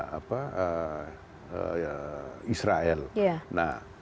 bahkan mereka juga diberikan kemudian pengecualian